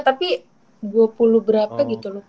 tapi dua puluh berapa gitu loh